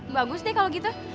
bagus deh kalau gitu